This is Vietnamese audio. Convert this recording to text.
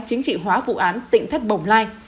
chính trị hóa vụ án tỉnh thất bồng lai